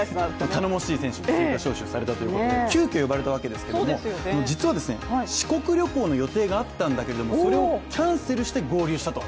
たのもしい選手が招集されたということで急きょ呼ばれたわけですけれども、実は四国旅行の予定があったんだけれども、それをキャンセルして合流したと。